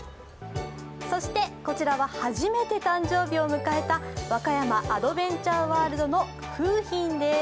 そしてこちらは初めて誕生日を迎えた和歌山アドベンチャーワールドの楓浜です。